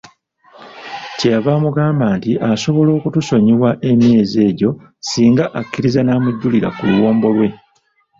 Kye yava amugamba nti asobola okutusonyiwa emyezi egyo ssinga akkiriza n'amujjulira ku luwombo lwe.